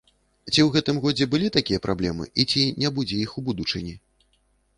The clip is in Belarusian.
Ці ў гэтым годзе былі такія праблемы і ці не будзе іх у будучыні?